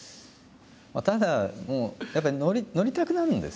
ただもうやっぱり乗りたくなるんですよね。